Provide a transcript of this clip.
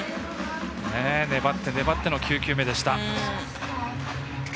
粘って粘っての９球目でした。